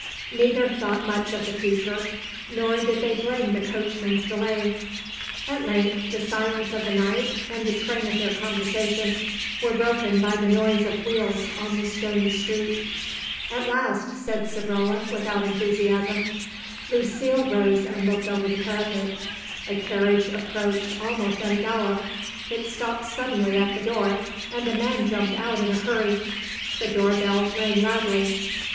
Neither thought much of the future, nor did they blame the coachman's delay. At length the silence of the night, and the train of their conversation were broken by the noise of wheels on the stony street. "At last," said Savrola without enthusiasm. Lucile rose and looked over the parapet. A carriage approached almost at a gallop. It stopped suddenly at the door, and a man jumped out in a hurry. The door bell rang loudly.